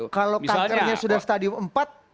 kalau kankernya sudah stadium empat